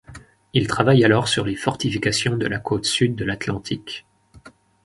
Il travaille alors sur les fortifications de la cote sud de l'atlantique.